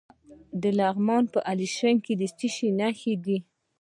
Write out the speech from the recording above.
د لغمان په الیشنګ کې د څه شي نښې دي؟